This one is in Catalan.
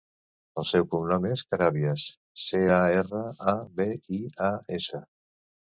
El seu cognom és Carabias: ce, a, erra, a, be, i, a, essa.